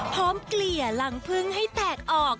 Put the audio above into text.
พร้อมเกลี่ยรังผึ้งให้แตกออก